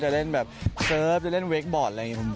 เล่นแบบเซิร์ฟจะเล่นเวคบอร์ดอะไรอย่างนี้